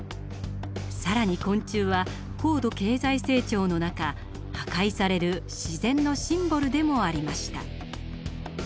更に昆虫は高度経済成長の中破壊される自然のシンボルでもありました。